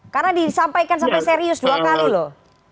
karena disampaikan sampai serius dua kali loh